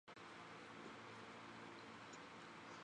唐朝政治人物。